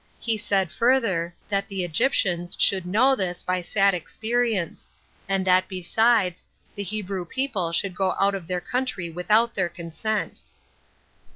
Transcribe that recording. He said further, that the Egyptians should know this by sad experience; and that besides, the Hebrew people should go out of their country without their consent.